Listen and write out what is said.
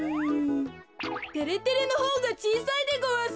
てれてれのほうがちいさいでごわす。